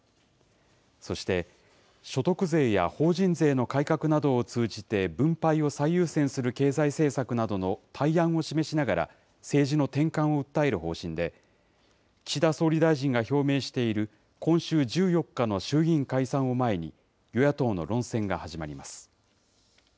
そして、所得税や法人税の改革などを通じて、分配を最優先する経済政策などの対案を示しながら、政治の転換を訴える方針で、岸田総理大臣が表明している今週１４日の衆議院解散を前に、与野党の論戦が始まります。